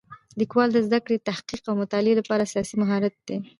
لیکوالی د زده کړې، تحقیق او مطالعې لپاره اساسي مهارت دی.